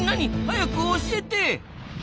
早く教えて！